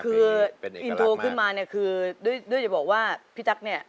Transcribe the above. คืออินโทรขึ้นมาเนี่ยคือด้วยจะบอกว่าพี่จักรเนี่ย